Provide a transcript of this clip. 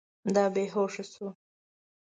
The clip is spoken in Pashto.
دا بې هوشه سو.